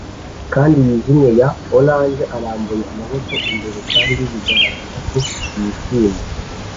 kandi yijimye ya orange arambuye amaboko imbere kandi bigaragara ko yishimye